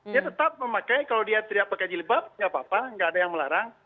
dia tetap memakai kalau dia tidak pakai jilbab nggak apa apa nggak ada yang melarang